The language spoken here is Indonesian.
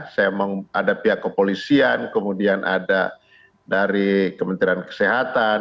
saya menghadapi kepolisian kemudian ada dari kementerian kesehatan